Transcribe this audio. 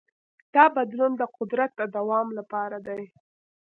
دا بدلون د قدرت د دوام لپاره دی.